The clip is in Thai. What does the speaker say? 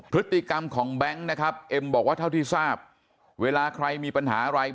พฤติกรรมของแบงค์นะครับเอ็มบอกว่าเท่าที่ทราบเวลาใครมีปัญหาอะไร